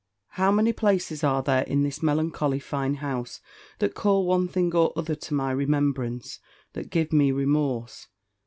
How many places are there in this melancholy fine house, that call one thing or other to my remembrance, that give me remorse!